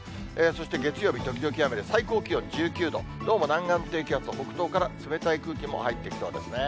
そして月曜日、時々雨で、最高気温１９度、どうも南岸低気圧が北東から冷たい空気も入ってきそうですね。